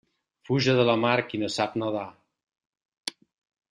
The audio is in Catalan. Fuja de la mar qui no sap nedar.